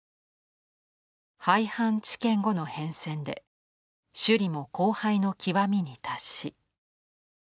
「廃藩置県後の変遷で首里も荒廃の極みに達し」。